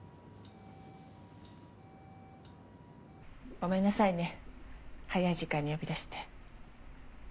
ごめんなさいね早い時間に呼び出して。